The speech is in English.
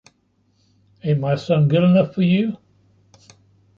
Ain't my son good enough for you?